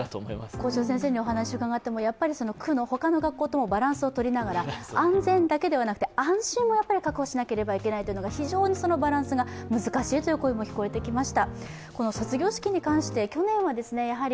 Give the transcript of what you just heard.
校長先生に話を伺ったら、他の区ともバランスをとりながら、安全だけでなく安心も確保しなければならないということで非常にそのバランスが難しいという声も聞こえてきました。